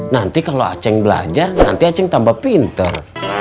nanti kalo acing belajar nanti acing tambah pinter